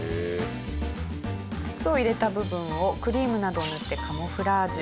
筒を入れた部分をクリームなどを塗ってカムフラージュ。